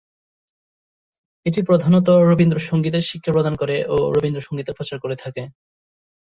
এটি প্রধানত রবীন্দ্রসঙ্গীতের শিক্ষা প্রদান করে ও রবীন্দ্রসঙ্গীতের প্রচার করে থাকে।